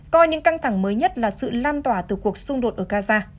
coi những căng thẳng mới nhất là sự lan tỏa từ cuộc xung đột ở gaza